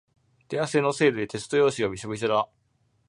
手汗のせいでテスト用紙がびしょびしょだ。